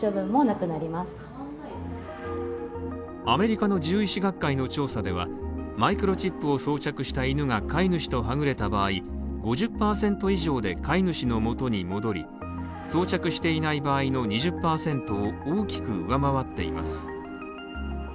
アメリカの獣医師学会の調査では、マイクロチップを装着した犬が飼い主とはぐれた場合、５０％以上で飼い主の元に戻り、装着していない場合の２０％を大きく上回っています。